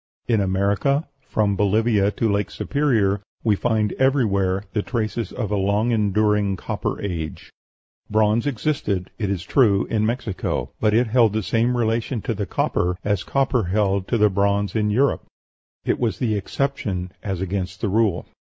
In America, from Bolivia to Lake Superior, we find everywhere the traces of a long enduring Copper Age; bronze existed, it is true, in Mexico, but it held the same relation to the copper as the copper held to the bronze in Europe it was the exception as against the rule.